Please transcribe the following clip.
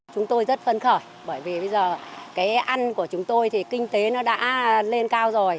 chúng tôi rất phân khởi bởi vì bây giờ cái ăn của chúng tôi thì kinh tế nó đã lên cao rồi